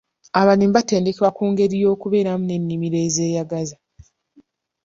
Abalimi batendekebwa ku ngeri y'okubeeramu n'ennimiro ezeyagaza.